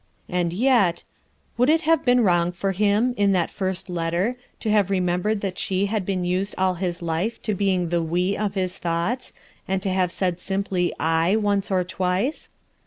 And yet — Would it have been wrong for hini, in that first letter, to have remembered that she had been used all his life to being the "we" of his thoughts, and to have said simply "I" once or twice?